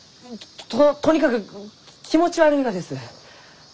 ととにかく気持ち悪いがです！